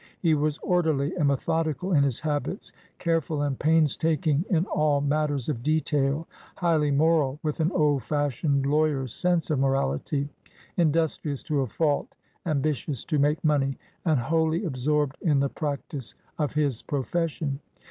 He was orderly and methodical in his habits, careful and pains taking in all matters of detail, highly moral "with an old fashioned lawyer's sense of moral ity," industrious to a fault, ambitious to make money, and wholly absorbed in the practice of his profession.